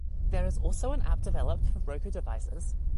There is also an app developed for Roku devices.